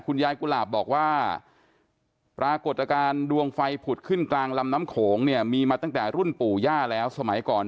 ยายกุหลาบบอกว่าปรากฏการณ์ดวงไฟผุดขึ้นกลางลำน้ำโขงเนี่ยมีมาตั้งแต่รุ่นปู่ย่าแล้วสมัยก่อน